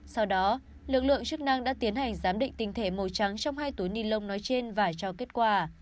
sau đó lực lượng chức năng đã tiến hành giám định tinh thể màu trắng trong hai túi ni lông nói trên và cho kết quả